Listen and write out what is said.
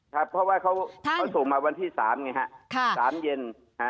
ครับเพราะว่าเขาส่งมาวันที่๓ไงฮะ๓เย็น